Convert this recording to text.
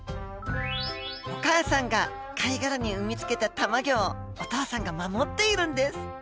お母さんが貝殻に産みつけた卵をお父さんが守っているんです！